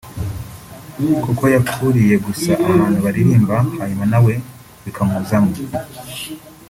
kuko yakuriye gusa ahantu baririmba hanyuma nawe bikamuzamo